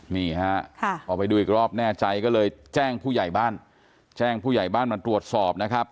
นี่ฮะพอไปดูอีกรอบแน่ใจก็เลยแจ้งผู้ใหญ่บ้านแจ้งผู้ใหญ่บ้านมาตรวจสอบนะครับ